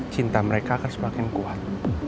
cinta mereka akan semakin kuat